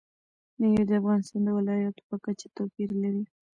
مېوې د افغانستان د ولایاتو په کچه توپیر لري.